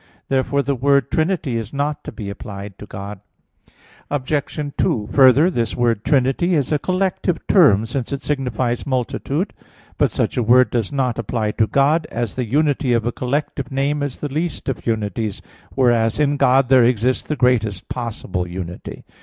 Therefore the word "Trinity" is not to be applied to God. Obj. 2: Further, this word "trinity" is a collective term, since it signifies multitude. But such a word does not apply to God; as the unity of a collective name is the least of unities, whereas in God there exists the greatest possible unity.